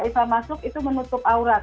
viva masuk itu menutup aurat